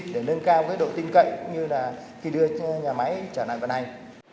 để nâng cao cái độ tinh cậy như là khi đưa nhà máy trở lại vận hành